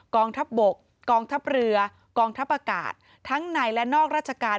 กองทัพบกกองทัพเรือกองทัพอากาศทั้งในและนอกราชการ